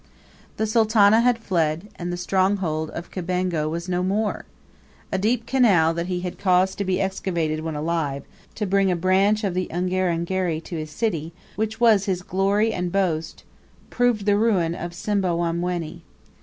The Sultana had fled, and the stronghold of Kimbengo was no more! A deep canal that he had caused to be excavated when alive, to bring a branch of the Ungerengeri near his city which was his glory and boast proved the ruin of Simbamwenni.